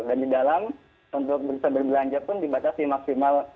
dan di dalam untuk bisa berbelanja pun dibatasi maksimal